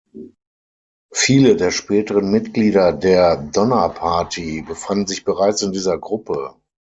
Viele der späteren Mitglieder der Donner Party befanden sich bereits in dieser Gruppe.